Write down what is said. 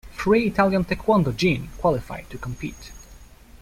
Three Italian taekwondo jin qualified to compete.